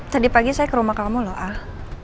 tadi pagi saya ke rumah kamu lho al